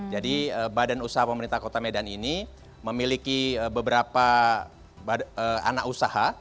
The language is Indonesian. jadi badan usaha pemerintah kota medan ini memiliki beberapa anak usaha